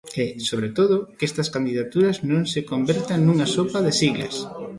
E, sobre todo, que estas candidaturas non se convertan nunha sopa de siglas.